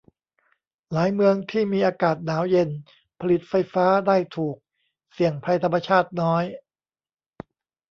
หลายเมืองที่มีอากาศหนาวเย็น ผลิตไฟฟ้าได้ถูก เสี่ยงภัยธรรมชาติน้อย